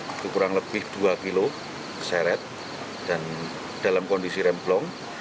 itu kurang lebih dua kilo terseret dan dalam kondisi remblong